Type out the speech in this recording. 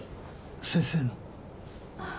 先生の。